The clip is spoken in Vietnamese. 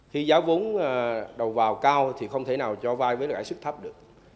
khi giá vốn đầu vào cao thì không thể nào cho vai với lãi sức thấp được